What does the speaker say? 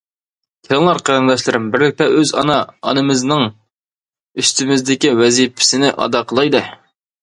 كېلىڭلار قېرىنداشلىرىم، بىرلىكتە ئۆز ئانا- ئانىمىزنىڭ ئۈستىمىزدىكى ۋەزىپىسىنى ئادا قىلايلى.